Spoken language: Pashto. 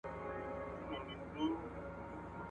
• خر له باره ولوېدی، له گوزو ونه لوېدی.